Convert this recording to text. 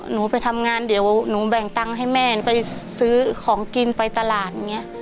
หนูไปทำงานเดี๋ยวหนูแบ่งตังค์ให้แม่ไปซื้อของกินไปตลาด